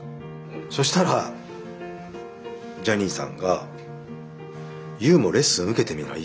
そしたらジャニーさんが「ＹＯＵもレッスン受けてみない？」